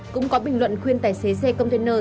cũng có bình luận khuyên tài xế xe container